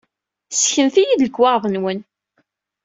Ssknet-iyi-d lekwaɣeḍ-nwen!